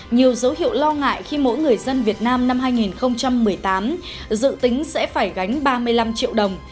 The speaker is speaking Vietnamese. nhiều dấu hiệu lo ngại khi mỗi người dân việt nam năm hai nghìn một mươi tám dự tính sẽ phải gánh ba mươi năm triệu đồng